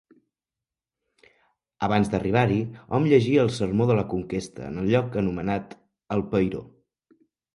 Abans d'arribar-hi hom llegia el sermó de la Conquesta en el lloc anomenat el Peiró.